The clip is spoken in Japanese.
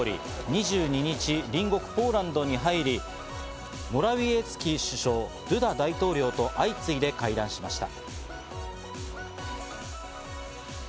２２日、隣国ポーランドに入り、モラウィエツキ首相、ドゥダ大統領と相次いで会談しました。